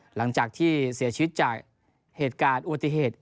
หลังจากที่เสียชีวิตจากเหตุการณ์อุบัติเหตุ